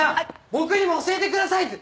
僕にも教えてくださいって。